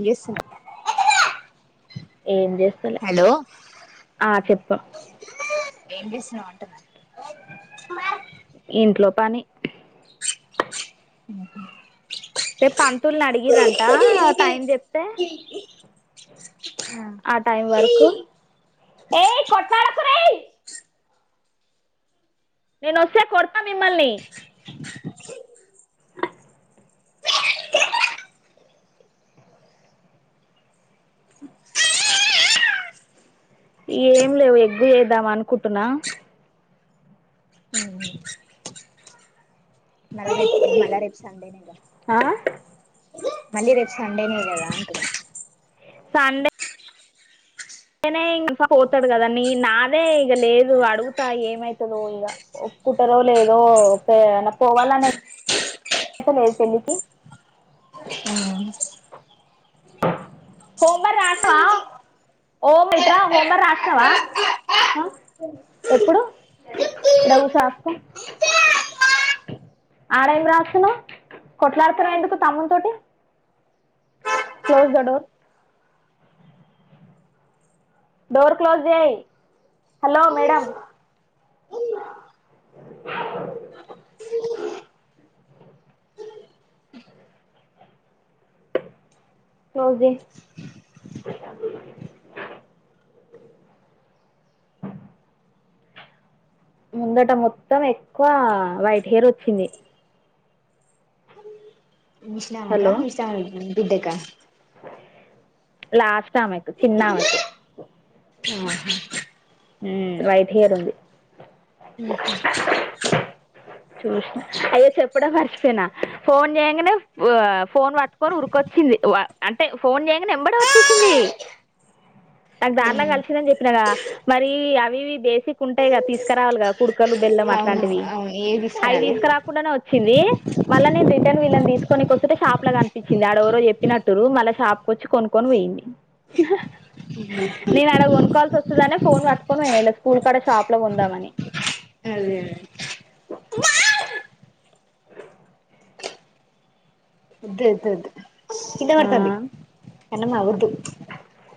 మ్ జేస్తునావ్ ఏం జేస్తలా ఆ చెప్ప ఏం జేస్నావ్ వంట మరి ఇంట్లో పని హ్మ్ హు పే పంతుల్ని అడిగిర్రంట టైం జెప్తే ఆ టైమ్ వరకు నేను ఒస్తె కోడ్తా మిమ్మల్ని ఏం లేవు ఎగ్గు చేద్దాం అనుకుటున్నా హ్మ్ మళ్ళా రేపు మళ్ళా రేపు సండే నే గదా ఆ మళ్ళీ రేపు సండేనే గదా అంటున్న సండే నేనే ఇంకా పోతాడు కదా నీ నాదే ఇక లేదు అడుగుతా ఏమైతదో ఇగ కుటరో లేదో ఓకే అ పోవాలనే [unintelligible] లేద్ పెండ్లికి హ్మ్ హోంబర్ రాష్ణవా ఓ మిత్ర హోంబర్ రాష్ణవా ఆ ఎప్పుడు ఇడ గుసో అత్తా ఆడ ఏం రాస్తున్నావ్ కొట్లాడుతున్నావ్ ఎందుకు తమ్మున్ తోటి close the door door close చెయ్ హలో మేడం కోజ్ చెయ్ ముందట మొత్తం ఎక్కువ వైట్ హెయిర్ వచ్చింది విష్ణంకా హలో విషాన్ బిడ్డక లాస్ట్ ఆమెకు చిన్న ఆమెకు ఉ వైట్ హెయిర్ ఉంది అయ్యో చెప్పడం మర్చిపోయినా ఫోన్ చేయంగానే ఆ ఫోన్ పట్టుకొని ఉరుకొచ్చు చ్చింది వ అంటే ఫోన్ చెయ్యంగనే ఎంబటే వచ్చేసింది అది దారిలా కలిసింన ని చెప్పినగా మరి అవి బేసిక్ ఉంటాయి క తీసుకురావాలిగా కుడుకలు బెల్లం అవును అట్లాంటివి అవును ఏవి అవి తీసుకురాలే తీసుకురాకుండానే వచ్చింది మళ్ల నేను రిటర్న్ వీళ్ళని తీసుకోనిక వొస్తుటే షాప్ ల కనిపించ్చింది ఆడవరో చెప్పినట్టురు మళ్ళ షాప్ కు వొచ్చి కొనుక్కొని పోయింది నేను అడ కొనుకోవాల్సి వొస్తదనే ఫోన్ పట్టుకొని పోయిన ఇలా స్కూల్ కడ షాప్ లో కొందమాని అదేలే ఉద్ ఉద్ ఉద్దు కింద ఆ పడ్తంది కన్నమ్మ వొద్దు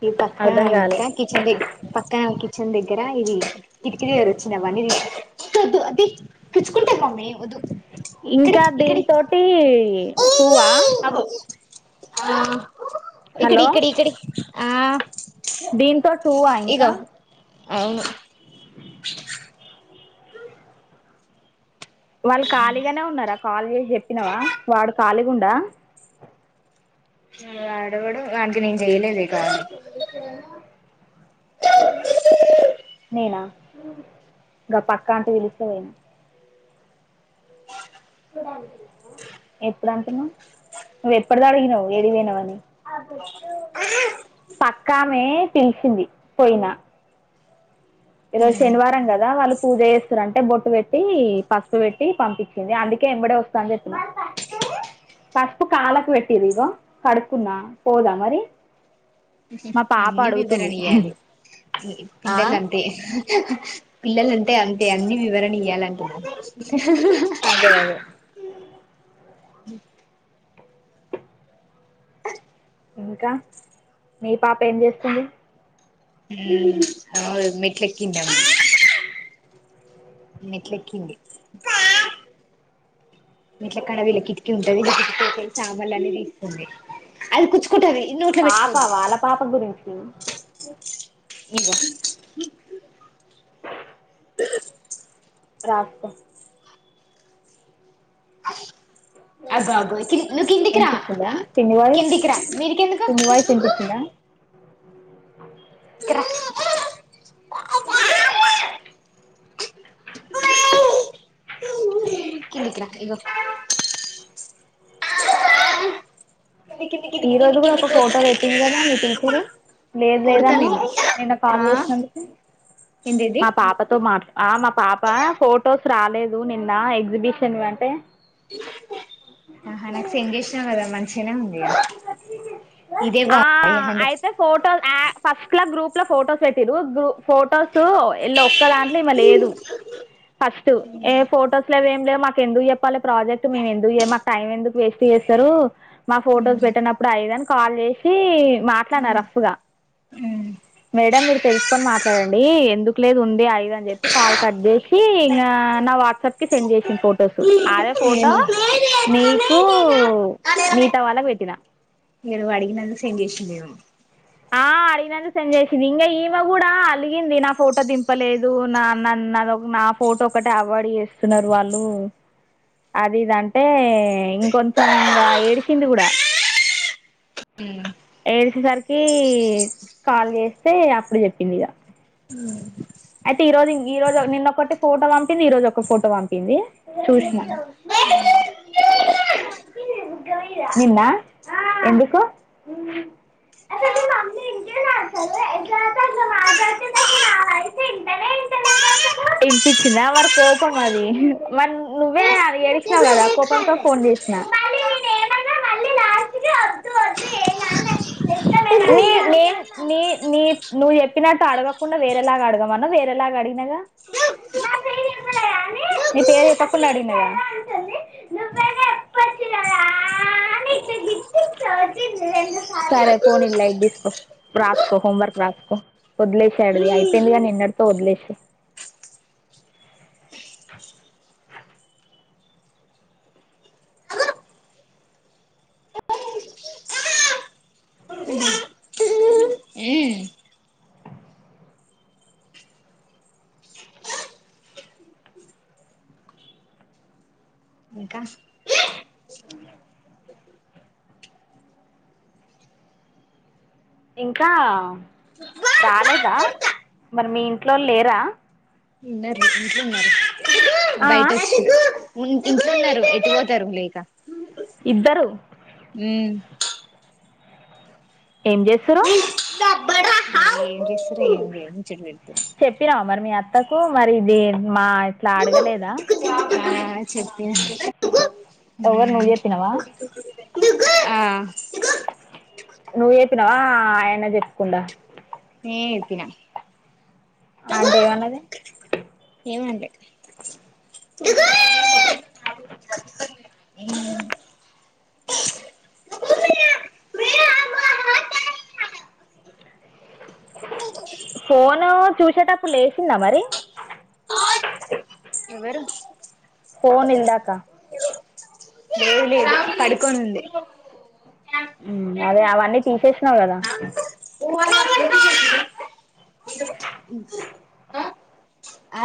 ఇ పక్క అర్థం కాలే అంత కిచెన్ లే పక్క కి కచెన్ దగ్గర ఇవి కిటికిదీ దగ్గర వచ్చినది వొద్దు వొద్దు అది తి కుచ్చుకుంటది మమ్మీ వొద్దు ఇక్కడి ఇక్కడి ఏ టువా అగో ఇక్కడి హలో ఇక్కడి ఇక్కడి ఆ దీంతో టూవా ఇంకా ఇగో అవును వాళ్ళు కలిగానే ఉన్నారా కాల్ చేసి చెప్పినవా వాడు కలిగా ఉండా ఆడెవడు వానికి నేను చెయలేద్ ఇక ఎక్కడికైపోయినవ్ నేనా గ పక్క అంటి పిలిస్తే పోయిన ఎప్పుడు అంటున్నావ్ నువ్వు ఎప్పటిది అడిగినవ్ ఏడీకి పోయినవ్ అని పక్కామే పిలిసింది పోయినా ఈ రోజు శనివారం కదా వాళ్ళు పూజ చేస్తురు అంటే బొట్టు పెట్టి పసుపు పెట్టి పంపిచ్చింది అందుకే ఎంబడే వస్తా అని చెప్పిన పాస్పు కాలకు పెట్టిది ఇగో కడుకున్నా పోదా మరి మా పాప అన్నీ అడుగుతుంది వివరణఇయాలి ఆ పిల్లలంతే పిల్లంటే అంతే అన్ని వివరణ ఇయ్యాలంటున అదే అదే ఇంకా మీ పాప ఏం చేస్తుంది ఉమ్ అగొఎమ్మి ఉమ్ మెట్లెక్కింది మేట్లక్కడ వీళ్ళ కిటికి ఉంటది. వీళ్ల కిటికీలాకెళ్లి సమాన్లన్ని తీస్తుంది గుచ్చుకుంటది నోట్లో పాప పెట్టుకోద్దు వాళ్ళ పాప గురించి ఇగో రాస్కో అగో అగో కిం నువ్వు కిందికి రా ఇన్నిపించిందా పిన్ని వాలు కిందికి రా మీదికెందుకు పిన్నివోయిస్ వినిపించిందా క్ర కింది రా ఇగో కిందికి కిందికి నిన్ను ఈరోజు గుడా ఒక కిందికి ఫోటో కొడుతున్న పెట్టింది కదా మీ టీచరు లేద్ కొడతా లేదన్నావ్ నిన్ను నిన్న కాల్ ఆ చేసినందుకు ఏంటిది ఆ మా పాప ఫొటోస్ రాలేదు నిన్న ఎగ్జిబిషన్ వి అంటే ఆహా నాకు సెండ్ చేసినావ్ గదా మంచ్ చినే ఉంది గా ఇదే ఆ బాగుంది హండ్ అయితే ఫొటోస్ ఆ ఫస్ట్ లా గ్రూప్ లో ఫొటోస్ పెట్టిరు గ్రూ ఫొటోసు ఇళ ఒక్క దాంట్లో ఇమ లేదు ఫస్ట్ ఏ ఫోటోస్ లేవ్ ఏమ్ లేవు మాకు ఎందుకు చెప్పాలె ప్రాజెక్ట్ మేము ఎందుకు జ్ మక్ టైం ఎందుకు వేస్ట్ ఏస్తారు మా ఫొటోస్ హండ్రెడ్ పెట్టనప్పుడు అదిఇది అని కాల్ చేసీ మాట్లాడిన రఫ్గా ఉమ్ మేడం మీరు తెలుసుకొని మాట్లాడండి ఎందుకు లేదు ఉంది అద్ఇద్ అని చెప్పి కాల్ కట్ చేసీ ఇంగా నా వాట్సాప్ కి సెండ్ జెసింది ఫొటోసు అదే ఫోట నీకు మిగత వాళ్ళక్ పెట్టినా ఇగ నువ్వాడిగినందు సెండ్ జేసిందేమో ఆ అడిగినందుకు సెండ్ చేసింది ఇంగా ఈమె గుడా అలిగింది నా ఫోటో దింపలేదు నాన్నన్న నాదొ నా ఫోటోక్కటే అవైడ్ చేస్తున్నారు వాళ్ళు అద్ ఇద్దంటే ఇంకొంచెం ఇంగా ఏడ్చింది కూడా ఎడ్సేసార్ ఈ కాల్ చేస్తే అప్పుడు చెప్పింది ఇగ అయితే ఈరోజు ఈ రోజు నిన్నొక్కటి ఫోటో పంపింది ఈరోజు ఒక్క ఫోటో పంపింది చూశిన అ నిన్నా ఎందుకు అసలు మీ మమ్మీ వింటుందా అసలు ఎట్లా పడితే అట్లా మాట్లాడుతుంది అసలు నా వాయిస్ వింటనే పా వింటలేదు అసలు వినిపించిందా వారి కోపం అది మరి నువ్వేగద ఎడ్షిన్ గదా కోపంతో ఫోన్ చేసినా కి వద్దు వద్దు ఏ నాన్న నీ నీన్ నీ నీ నువ్వు చెప్పినట్టు అడగకుండా వేరేలాగా అడగ మన్నవ్ వేరేలాగా అడిగినగా నీ పేరే చెప్పకుండా అడ్గినగా సరే పోనీ లైట్ తీస్కో రాస్కో హోంవర్క్ రాసుకో వదిలేషడ్ది అయిపోయిందిగా నీ న్నట్ తో వదిలేశై ఇంకా ఇంకా రాలేదా మరి మీ ఇంట్లోల్ లేరా ఇంట్లున్నారు ఆ, బయట కూర్చున్న ఉన్ ఇంట్లున్నారు ఎటుపోతారు లేకా ఇద్దరు ఉమ్ ఏం జేస్తురు ఏం జేస్తుంరీ ఏం లేదు ముచ్చట పెడుతుర్రు చెపినవ మరి మీ అత్తకు మరి ఇది మా ఇట్లా అడగలేదా ఆ చెప్పిన ఎవరు నువ్వు చెప్పినావా ఉమ్ ఆహ్ నువు చెప్పినవా ఆయన జెప్కుండా నేప్పిన అంటే ఏమన్నది ఏం అన్లే ఫోను చూసేటప్పుడు లేసిందా మరి ఎవరు ఫోన్ ఇందాక లేదు లేదు పడుకొని ఉంది ఉమ్ అదే అవన్నీ తీసేసినవ్ కదా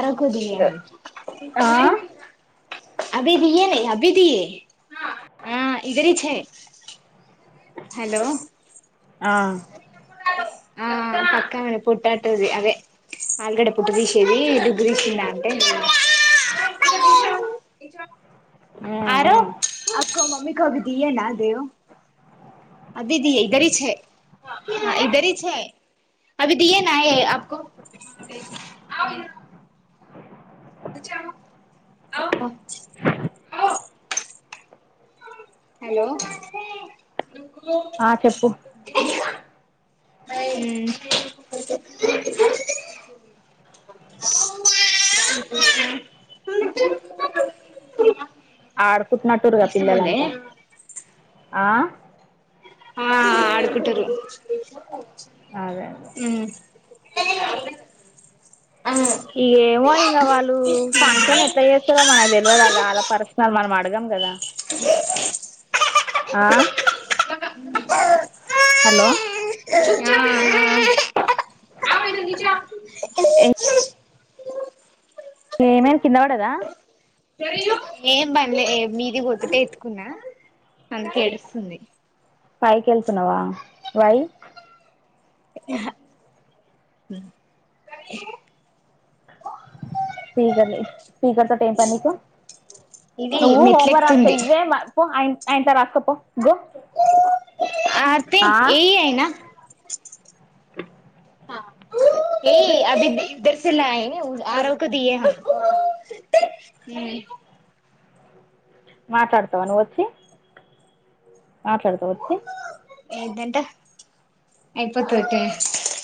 నా కుది ఆ? అభి దియేరే అభిది ఆ ఇదరిచే హలో ఆ. ఆ పక్కామనే పొటాటోది అదే ఆలుగడ్డ పొట్టు తీసేది డుబ్బు తీసిందా అంటే ఉమ్, ఆరో ఉమ్. అక్కో మమ్మీ కో అభి దియేనా దేవో అదిది ఇదరి చే ఇదరి చే అభి దియే నాయే ఆప్కో [inaudible] హలో అట్లా ఆ చెప్పు ఉమ్ [inaudible] ఆడుకుటున్నట్టురుగా పిల్లలంతా ఆ ఆ ఆడుకుంటూరు అదదే [unintelligible] ఏమో ఇంగ వాళ్ళు ఫంక్షన్ ఎట్లా చేస్తారో మనక్ తెలివదు అది అల్లా పర్సనల్ మనమడగ్ అడగం గదా ఆ హలో ఆ ఏమైంది కింద వడదా ఏం బన్లే మీదికి ఒక్కటే ఎత్తుకున్నా అందుకే ఏడుస్తుంది పైకెళ్తున్నావా వై యెహా స్పీకర్లే స్పీకర్ తోటి ఏం పని నీకు ఇది నువ్వు హోమ్ వర్ రాస్కో మెట్లెక్తుంది ఇవే మపో ఆయ ఆ ఇంట్ల రాస్కపో ఆర్తీ ఆ ఈయైన పా ఏ అభి ఈద్ ఇదర్ సేలయింగ ఆరోకో దియేనా హుమ్మ్ మాట్లాడుతవా నువు వచ్చి మాట్లాడుతవొచ్చి ఏంటంట అయిపోతద్తే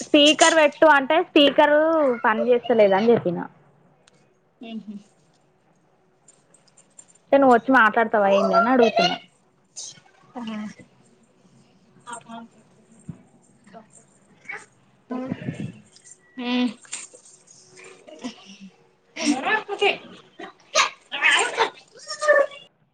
స్పీకరువెట్టు అంటే స్పీకరు పని చేస్తలేదని చెప్పిన ఉహుమ్ అంటే నువు వచ్చి మాట్లాడతావాయేంది అని అడుగుతున్నావు హా [inaudible] ఉమ్ [inaudible]